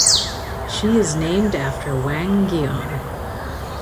She is named after Wang Geon.